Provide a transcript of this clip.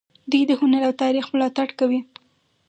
دوی د هنر او تاریخ ملاتړ کوي.